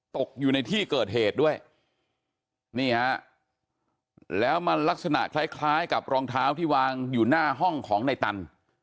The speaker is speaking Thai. ตกอยู่ในที่เกิดเหตุด้วยนี่ฮะแล้วมันลักษณะคล้ายคล้ายกับรองเท้าที่วางอยู่หน้าห้องของในตัน